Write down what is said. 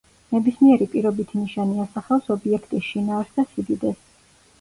ნებისმიერი პირობითი ნიშანი ასახავს ობიექტის შინაარს და სიდიდეს.